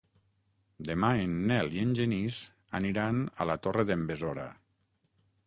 Demà en Nel i en Genís aniran a la Torre d'en Besora.